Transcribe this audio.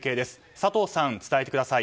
佐藤さん、伝えてください。